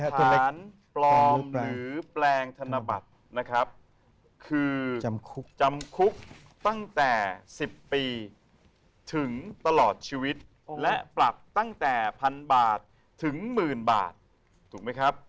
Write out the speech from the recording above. ถนนปลอมหรือแปลงธนบัตรนะครับคือจำคุกตั้งแต่๑๐ปีถึงตลอดชีวิตและปรับตั้งแต่พันบาทถึงหมื่นบาทถูกไหมครับ